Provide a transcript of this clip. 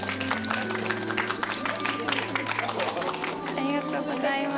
ありがとうございます。